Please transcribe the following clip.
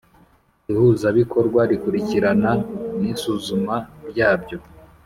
ihuzabikorwa rikurikirana n isuzuma ryabyo